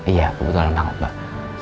iya kebetulan banget mbak